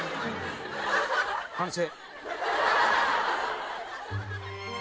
反省。